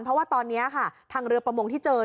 เพราะว่าตอนนี้ค่ะทางเรือประมงที่เจอ